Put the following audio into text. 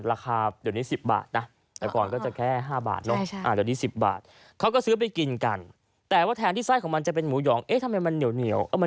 ราคาเดี๋ยวนี้๑๐บาทนะ